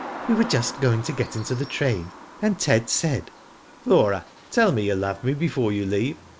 " We were just going to get into the train, and Ted said :" Flora, tell me you love me before you leave.